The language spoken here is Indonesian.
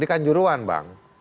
di kanjuruan bang